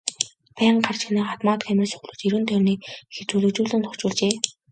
Байнга харж хянах автомат камер суурилуулж эргэн тойрныг зүлэгжүүлэн тохижуулжээ.